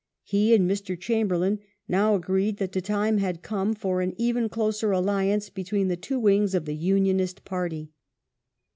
He and Mr. Chamberlain now agi eed that the time had come for an even closer alliance between the two wings of the Unionist Party.